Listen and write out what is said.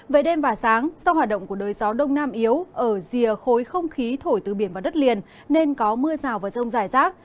về đêm và sáng do hoạt động của đới gió đông nam yếu ở rìa khối không khí thổi từ biển vào đất liền nên có mưa rào và rông dài rác